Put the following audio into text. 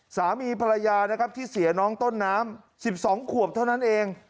สามีภรรยานะครับที่เสียน้องต้นน้ำ๑๒ขวบเท่านั้นเอง